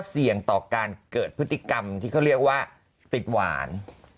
เสี่ยงต่อการเกิดพฤติกรรมที่เขาเรียกว่าติดหวาน